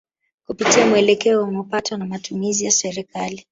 Kupitia muelekeo wa mapato na matumizi ya Serikali